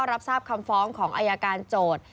รับทราบคำฟ้องของอายการโจทย์